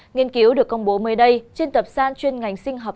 nghiên cứu được công bố mới đây trên tập sàn chuyên ngành sinh học